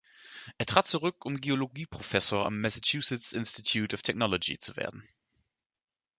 Er trat zurück, um Geologieprofessor am Massachusetts Institute of Technology zu werden.